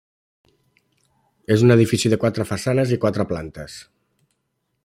És un edifici de quatre façanes i quatre plantes.